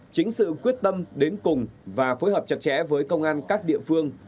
chính sự quyết tâm đến cùng và phối hợp chặt chẽ với công an các địa phương